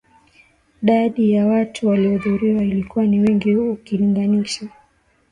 dadi ya watu waliohudhuria ilikuwa ni wengi ukilinganisha